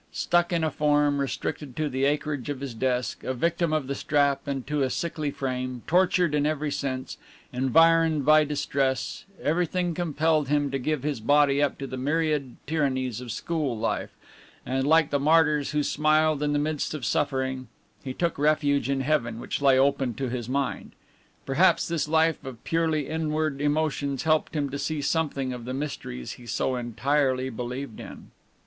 Stuck on a form, restricted to the acreage of his desk, a victim of the strap and to a sickly frame, tortured in every sense, environed by distress everything compelled him to give his body up to the myriad tyrannies of school life; and, like the martyrs who smiled in the midst of suffering, he took refuge in heaven, which lay open to his mind. Perhaps this life of purely inward emotions helped him to see something of the mysteries he so entirely believed in!